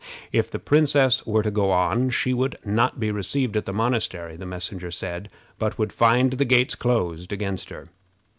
If the princess were to go on, she would not be received at the monastery, the messenger said, but would find the gates closed against her.